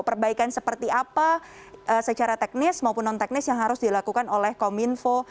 perbaikan seperti apa secara teknis maupun non teknis yang harus dilakukan oleh kominfo